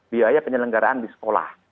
biaya penyelenggaraan di sekolah